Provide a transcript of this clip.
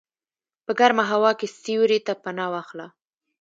په ګرمه هوا کې سیوري ته پناه واخله.